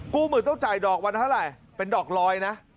หมื่นต้องจ่ายดอกวันเท่าไหร่เป็นดอกร้อยนะ